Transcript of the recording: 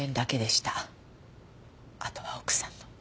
あとは奥さんの。